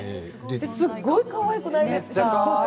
すごく、かわいくないですか。